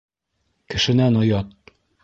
Кешенән оят.